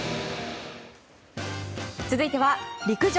続いては陸上。